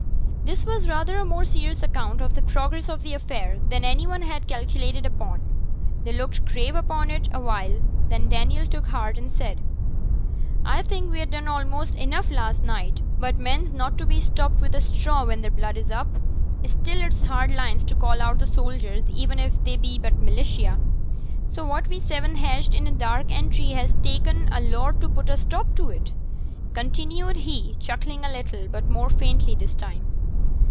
This was rather a more serious account of the progress of the affair than any one had calculated upon. They looked grave upon it awhile, then Daniel took heart and said, 'A think we'd done a'most enough last neet; but men's not to be stopped wi' a straw when their blood is up; still it's hard lines to call out t' sojers, even if they be but militia. So what we seven hatched in a dark entry has ta'en a lord to put a stop to 't!' continued he, chuckling a little, but more faintly this time.